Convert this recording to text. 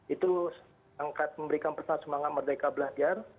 itu angkat memberikan pesan semangat merdeka belajar